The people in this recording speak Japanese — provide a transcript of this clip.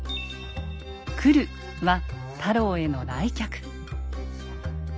「来」は太郎への来客。